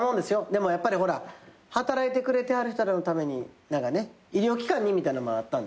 でもやっぱりほら働いてくれてはる人らのために医療機関にみたいなんもあったんで。